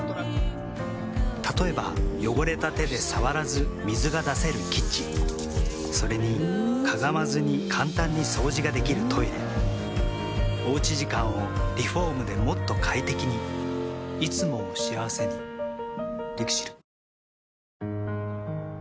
例えば汚れた手で触らず水が出せるキッチンそれにかがまずに簡単に掃除ができるトイレおうち時間をリフォームでもっと快適にいつもを幸せにＬＩＸＩＬ。